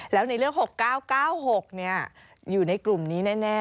แล้วในเรื่อง๖๙๙๖อยู่ในกลุ่มนี้แน่